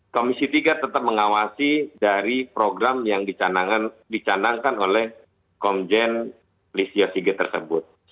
komisi tiga tetap mengawasi dari program yang dicanangkan oleh komjen listio sigit tersebut